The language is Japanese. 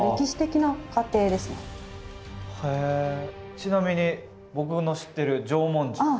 ちなみに僕の知ってる縄文人は？